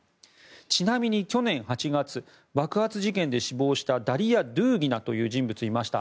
ちなみに去年８月爆発事件で死亡したダリヤ・ドゥーギナという人物がいました。